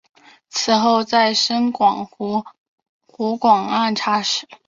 此后再升湖广按察使。